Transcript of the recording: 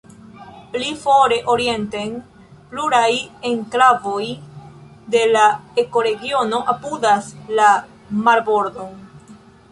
Pli fore orienten, pluraj enklavoj de la ekoregiono apudas la marbordon.